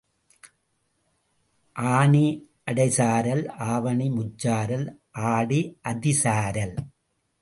ஆனி அடை சாரல், ஆவணி முச்சாரல், ஆடி அதி சாரல்.